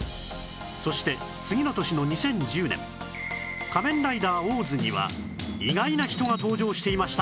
そして次の年の２０１０年『仮面ライダーオーズ』には意外な人が登場していました